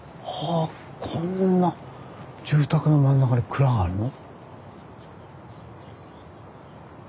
あこんな住宅の真ん中に蔵があるの。